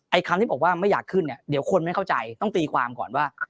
คำที่บอกว่าไม่อยากขึ้นเนี่ยเดี๋ยวคนไม่เข้าใจต้องตีความก่อนว่า